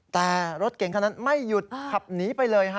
แต่รถเก่งคันนั้นไม่หยุดขับหนีไปเลยฮะ